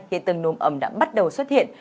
hiện tường nồm ẩm đã bắt đầu xuất hiện